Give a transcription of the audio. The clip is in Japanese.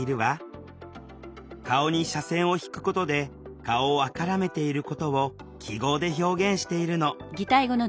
顔に斜線を引くことで「顔を赤らめている」ことを記号で表現しているの。